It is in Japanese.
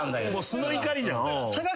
素の怒りじゃん。